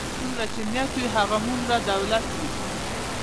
چی څومره نيت وي هغومره دولت وي .